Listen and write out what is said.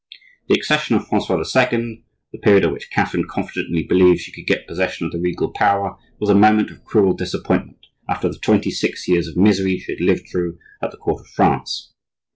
The accession of Francois II., the period at which Catherine confidently believed she could get possession of the regal power, was a moment of cruel disappointment, after the twenty six years of misery she had lived through at the court of France.